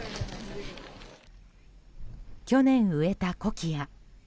去年植えたコキア。